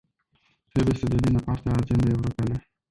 Trebuie să devină parte a agendei europene.